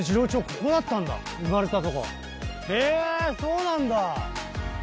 ここだったんだ生まれたとこへぇそうなんだ。